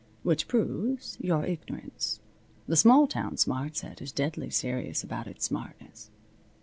Which proves your ignorance. The small town smart set is deadly serious about its smartness.